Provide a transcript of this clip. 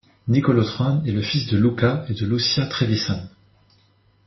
Niccolò Tron est le fils de Luca et de Lucia Trevisan.